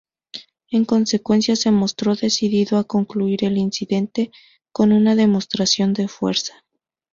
En consecuencia, se mostró decidido a concluir el incidente con una demostración de fuerza.